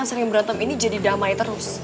dan sering berantem ini jadi damai terus